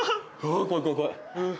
あ怖い怖い怖い。